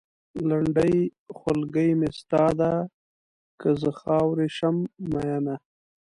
لنډۍ؛ خولګۍ مې ستا ده؛ که زه خاورې شم مينه